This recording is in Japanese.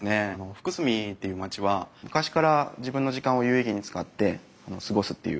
福住っていう町は昔から自分の時間を有意義に使って過ごすっていう文化があった町でして。